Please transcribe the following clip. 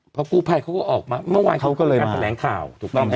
เพราะคู่ภัยเขาก็ออกมาเมื่อวานเขาก็การแสลงข่าว